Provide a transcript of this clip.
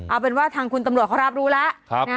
เอาเป็นว่าทางคุณตำรวจเขารับรู้แล้ว